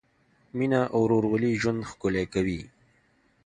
مینه او ورورولي ژوند ښکلی کوي.